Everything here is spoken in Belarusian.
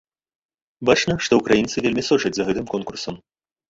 Бачна, што ўкраінцы вельмі сочаць за гэтым конкурсам.